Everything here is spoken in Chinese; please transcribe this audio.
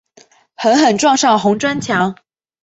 狠狠撞上红砖墙